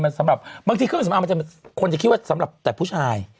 มันสำหรับบางทีเครื่องสำหรับมันควรจะคิดว่าสำหรับแต่ผู้ชาย